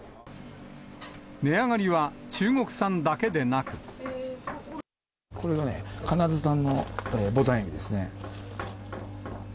値上がりは、中国産だけでなこれがね、カナダ産のボタンエビですね。